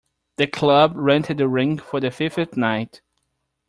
The club rented the rink for the fifth night.